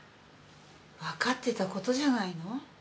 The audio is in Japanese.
分かってたことじゃないの？